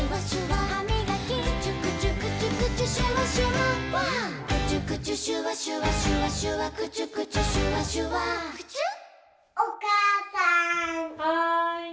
はい。